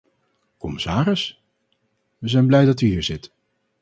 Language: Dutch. Commissaris, we zijn blij dat u hier zit.